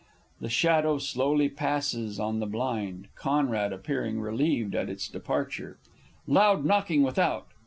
[The shadow slowly passes on the blind, CONRAD _appearing relieved at its departure. Loud knocking without.